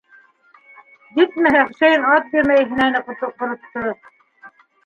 Етмәһә, Хөсәйен ат бирмәй һенәне ҡоротто...